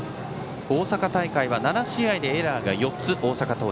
大阪大会は７試合でエラーが４つの大阪桐蔭。